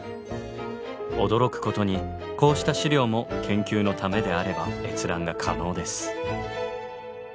驚くことにこうした資料も研究のためであれば閲覧が可能です。